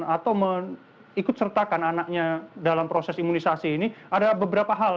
atau mengikut sertakan anaknya dalam proses imunisasi ini ada beberapa hal